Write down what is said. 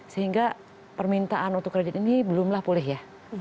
sehingga permintaan untuk kredit ini belumlah pulih ya